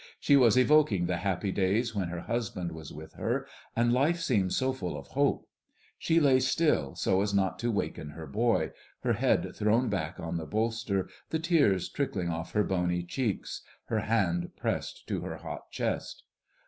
She was evoking the happy days when her husband was with her, and life seemed so full of hope. She lay still, so as not to waken her boy, her head thrown back on the bolster, the tears trickling off her bony cheeks, her hand pressed to her hot chest.